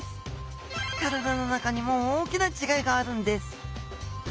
体の中にも大きな違いがあるんです